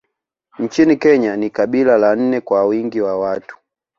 Nchini Kenya ni kabila la nne kwa wingi wa watu